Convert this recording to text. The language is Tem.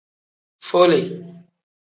Fole.